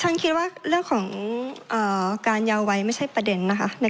ผมคิดว่าเรื่องการโยวไว้ไม่ใช่ประเด็นนะครับ